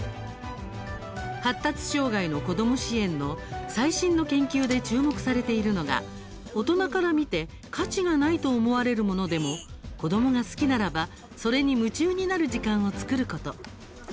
発達障害の子ども支援の最新の研究で注目されているのが大人から見て価値がないと思われるものでも子どもが好きならばそれに夢中になる時間を作ること。